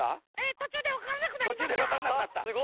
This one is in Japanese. とちゅうでわからなくなった？わすごい！